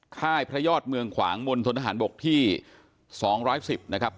ค่ายพระยอดเมืองขวางมณฑนทหารบกที่๒๑๐นะครับ